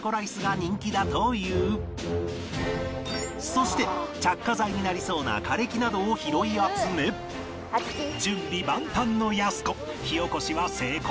そして着火剤になりそうな枯れ木などを拾い集め準備万端のやす子